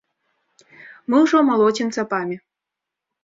Мы ўжо малоцім цапамі.